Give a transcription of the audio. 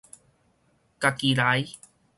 家己來